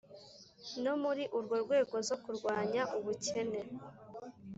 no muri urwo rwego zo kurwanya ubukene :